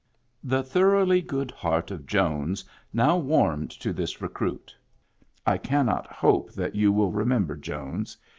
The thoroughly good heart of Jones now warmed to this recruit. (I cannot hope that you will remember Jones.